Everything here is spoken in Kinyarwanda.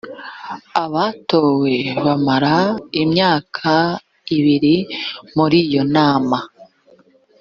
abatowe bamara imyaka ibiri muri iyo nama